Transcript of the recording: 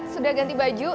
sudah ganti baju